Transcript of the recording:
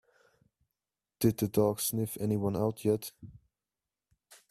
Did the dog sniff anyone out yet?